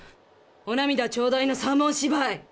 お涙ちょうだいの三文芝居！